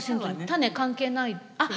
種関係ないあっ！